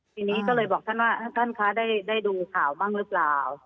ทีนี้ก็เลยบอกท่านว่าท่านคะได้ดูข่าวบ้างหรือเปล่า